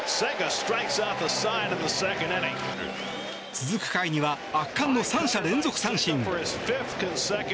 続く回には圧巻の３者連続三振。